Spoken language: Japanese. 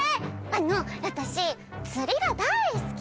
あの私釣りが大好きで。